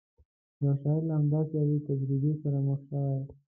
یو شاعر له همداسې یوې تجربې سره مخ شوی.